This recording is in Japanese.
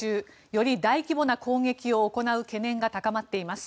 より大規模な攻撃を行う懸念が高まっています。